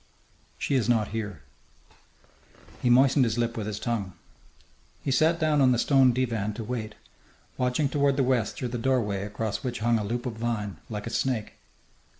"She is not here." He moistened his lips with his tongue. He sat down on the stone divan to wait, watching toward the west through the doorway across which hung a loop of vine, like a snake.